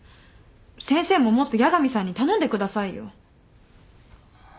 先生ももっと八神さんに頼んでくださいよ。